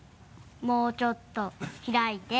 もうちょっと開いて。